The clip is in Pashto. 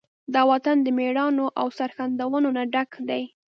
دا وطن د مېړانو، او سرښندنو نه ډک دی.